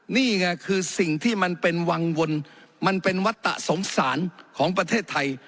นี่ไงคือสิ่งที่มันเป็นวังวลมันเป็นวัตตสงสารของประเทศไทย